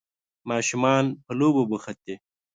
ماشومان په لوبو بوخت دي.